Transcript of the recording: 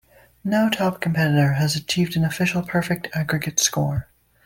No top competitor has achieved an official perfect aggregate score.